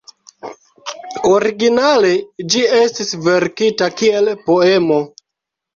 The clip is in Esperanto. Originale ĝi estis verkita kiel poemo.